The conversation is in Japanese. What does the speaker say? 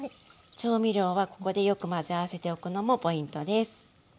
調味料はここでよく混ぜ合わせておくのもポイントです。